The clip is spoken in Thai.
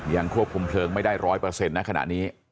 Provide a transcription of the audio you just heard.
ควบคุมเพลิงไม่ได้๑๐๐นะขณะนี้